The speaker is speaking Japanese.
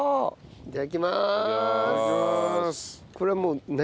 いただきます。